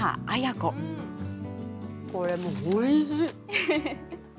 これもおいしい。